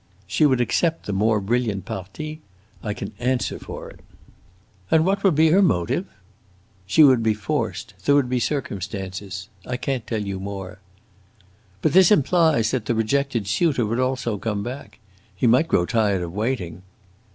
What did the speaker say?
"She would accept the more brilliant parti. I can answer for it." "And what would be her motive?" "She would be forced. There would be circumstances.... I can't tell you more." "But this implies that the rejected suitor would also come back. He might grow tired of waiting."